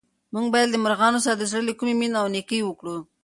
موږ باید له مرغانو سره د زړه له کومې مینه او نېکي وکړو.